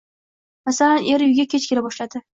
Masalan, er uyga kech kela boshladi